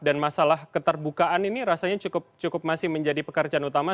dan masalah keterbukaan ini rasanya cukup masih menjadi pekerjaan utama